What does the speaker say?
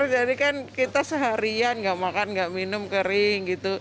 jadi kan kita seharian gak makan gak minum kering